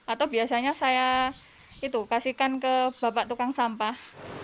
atau biasanya saya itu kasihkan ke bapak tukang sampah